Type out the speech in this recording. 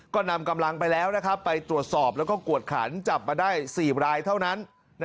ก็นำกำลังไปแล้วไปตรวจสอบแล้วก็กวดขันจับมาได้๔รายเท่านั้น